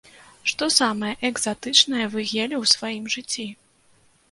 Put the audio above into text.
Што самае экзатычнае вы елі ў сваім жыцці?